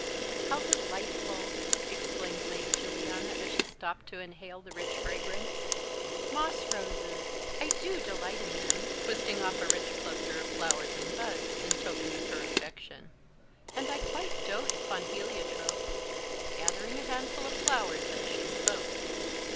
"How delightful!" exclaimed Lady Juliana, as she stopped to inhale the rich fragrance. "Moss roses! I do delight in them," twisting off a rich cluster of flowers and buds in token of her affection; "and I quite doat upon heliotrope," gathering a handful of flowers as she spoke.